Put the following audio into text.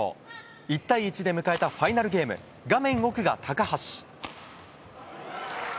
１対１で迎えたファイナルゲーム、画面奥が高橋。